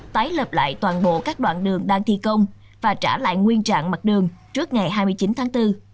tái lập lại toàn bộ các đoạn đường đang thi công và trả lại nguyên trạng mặt đường trước ngày hai mươi chín tháng bốn